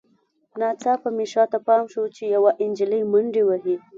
ناڅاپه مې شاته پام شو چې یوه نجلۍ منډې وهي